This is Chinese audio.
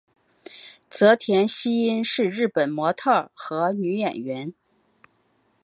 泽田汐音是日本模特儿和女演员。